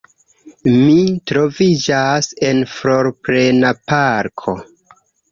Mi troviĝas en florplena parko.